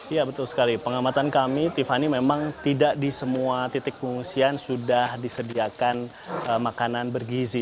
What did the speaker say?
ya betul sekali pengamatan kami tiffany memang tidak di semua titik pengungsian sudah disediakan makanan bergizi